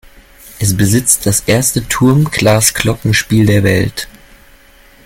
Es besitzt das erste Turm-Glas-Glockenspiel der Welt.